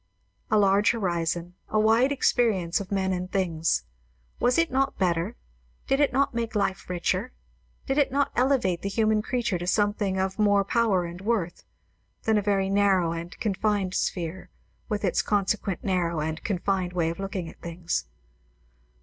A large horizon, a wide experience of men and things; was it not better, did it not make life richer, did it not elevate the human creature to something of more power and worth, than a very narrow and confined sphere, with its consequent narrow and confined way of looking at things?